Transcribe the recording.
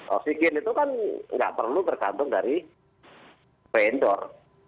oksigen itu kan nggak perlu tergantung dari vendor